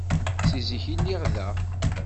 Si zik mi lliɣ da.